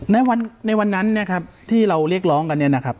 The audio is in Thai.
ในวันในวันนั้นเนี่ยครับที่เราเรียกร้องกันเนี่ยนะครับ